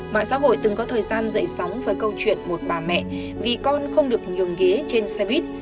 mạng xã hội từng có thời gian dậy sóng với câu chuyện một bà mẹ vì con không được nhường ghế trên xe buýt